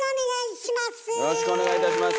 よろしくお願いします！